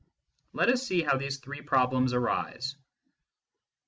Let us see how these three problems arise.